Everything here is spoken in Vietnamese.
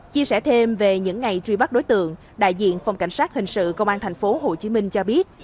chia sẻ thêm về những ngày truy bắt đối tượng đại diện phòng cảnh sát hình sự công an thành phố hồ chí minh cho biết